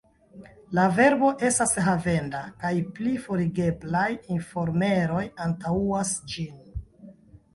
La verbo estas havenda, kaj pli forigeblaj informeroj antaŭas ĝin.